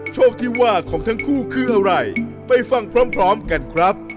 โชคที่ว่าของทั้งคู่คืออะไรไปฟังพร้อมกันครับ